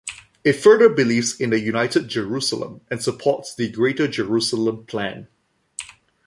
It further believes in a "United Jerusalem", and supports the Greater Jerusalem plan.